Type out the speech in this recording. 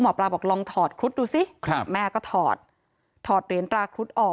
หมอปลาบอกลองถอดครุฑดูสิครับแม่ก็ถอดถอดเหรียญตราครุฑออก